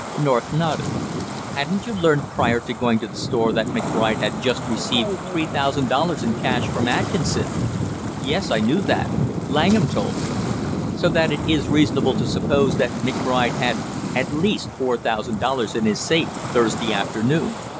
North nodded. "Hadn't you learned prior to going to the store that McBride had just received three thousand dollars in cash from Atkinson?" "Yes, I knew that, Langham told me." "So that it is reasonable to suppose that McBride had at least four thousand dollars in his safe Thursday afternoon."